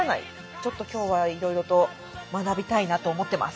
ちょっと今日はいろいろと学びたいなと思ってます。